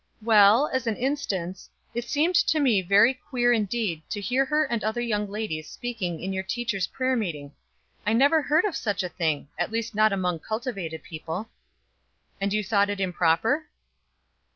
"Well, as an instance, it seemed to me very queer indeed to hear her and other young ladies speaking in your teachers' prayer meeting. I never heard of such a thing, at least not among cultivated people." "And you thought it improper?"